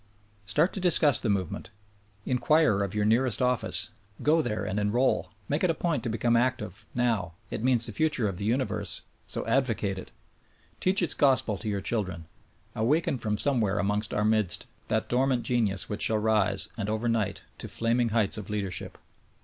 Start to discuss the movement. Inquire of your nearest office. Go there and enroll. Make it a point to become active, now — it means the future of the universe ; so advocate it ! Teach its gospel to your children. Awaken from somewhere amongst our midst that dormant genius which shall arise, and over night, to flaming heights of leadership.